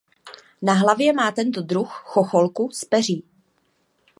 Na hlavě má tento druh chocholku z peří.